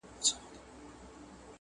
کله غل کله مُلا سي کله شیخ کله بلا سي،